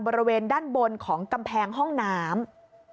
บริเวณด้านบนของกำแพงห้องน้ำ